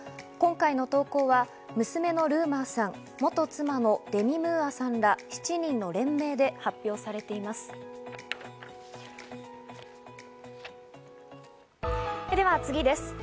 今回の投稿は娘のルーマーさん、元妻のデミ・ムーアさんら７人の連名で発表されています。